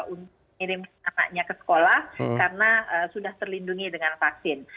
untuk mengirim anaknya ke sekolah karena sudah terlindungi dengan vaksin